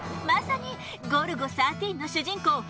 まさに『ゴルゴ１３』の主人公